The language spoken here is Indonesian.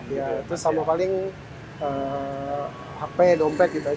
itu sama paling hp dompet gitu aja sih